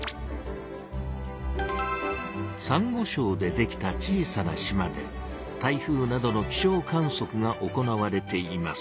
サンゴしょうでできた小さな島で台風などの気象観そくが行われています。